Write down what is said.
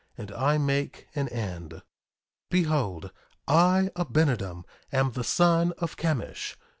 And I make an end. 1:10 Behold, I, Abinadom, am the son of Chemish.